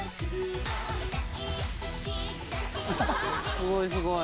すごいすごい。）